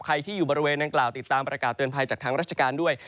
ใครที่อยู่บริเวณนางกล่าวติดตามประกาศเตือนภัยจากทางราชการด้วย